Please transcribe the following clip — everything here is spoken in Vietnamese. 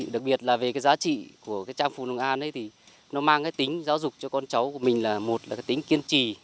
đặc biệt là về cái giá trị của cái trang phục nông an ấy thì nó mang cái tính giáo dục cho con cháu của mình là một là cái tính kiên trì